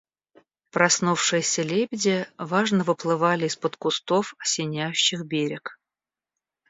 Проснувшиеся лебеди важно выплывали из-под кустов, осеняющих берег.